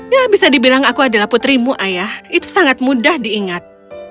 ya bisa dibilang aku adalah putrimu ayah itu sangat mudah diingat